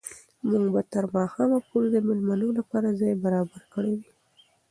موږ به تر ماښامه پورې د مېلمنو لپاره ځای برابر کړی وي.